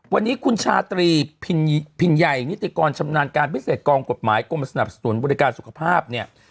วันนี้คุณชาตรีพินใหญ่นิติกรชำนาญการพิเศษกองกฎหมายกรมสนับสนุนบริการสุขภาพเนี่ย